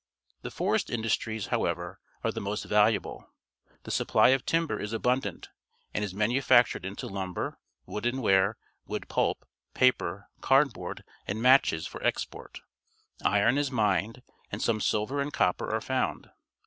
The forest industries, however, are . the most valuable. The supply of timber is abundant and is manufactured into lumber, wooden ware, wood pulp, paper, cardboard, and matches for export. Iron is mined, and some silver and copper are found.